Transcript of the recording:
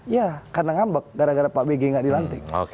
ya karena ngambek gara gara pak bg nggak dilantik